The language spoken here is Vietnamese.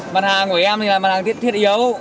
mặt hàng của em thì là mặt hàng điện thiết yếu